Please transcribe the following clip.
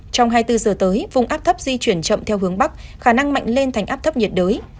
trong hai mươi bốn giờ tới vùng áp thấp di chuyển chậm theo hướng bắc khả năng mạnh lên thành áp thấp nhiệt đới